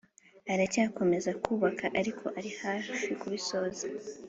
aracyakomeza kubaka ariko arihafi kubisoza